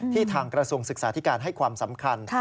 ทางกระทรวงศึกษาธิการให้ความสำคัญ